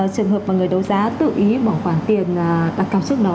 trường hợp mà người đấu giá tự ý bỏ khoản tiền đặt cặp trước đó